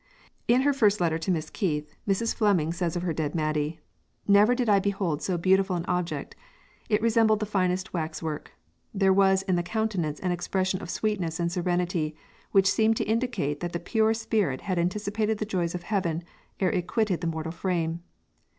In her first letter to Miss Keith, Mrs. Fleming says of her dead Maidie: "Never did I behold so beautiful an object. It resembled the finest wax work. There was in the countenance an expression of sweetness and serenity which seemed to indicate that the pure spirit had anticipated the joys of heaven ere it quitted the mortal frame.